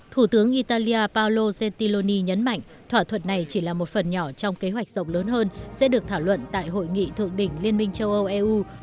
thủ tướng italia palolo gentiloni nhấn mạnh thỏa thuận này chỉ là một phần nhỏ trong kế hoạch rộng lớn hơn sẽ được thảo luận tại hội nghị thượng đỉnh liên minh châu âu eu